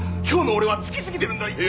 今日の俺はつきすぎてるんだ。